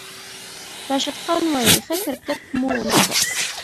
راشد خان وايي، "ښه کرېکټ مو ونه کړ"